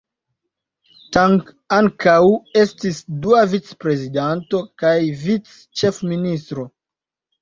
Tang ankaŭ estis dua vicprezidanto kaj vicĉefministro.